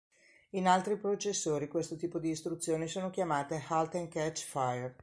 In altri processori questo tipo di istruzioni sono chiamate Halt and Catch Fire.